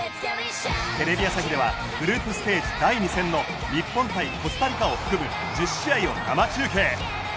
テレビ朝日ではグループステージ第２戦の日本対コスタリカを含む１０試合を生中継！